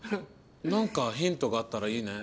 何かヒントがあったらいいね。